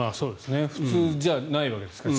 普通じゃないわけですから。